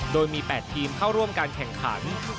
โดยมี๘ทีมเข้าร่วมการแข่งขัน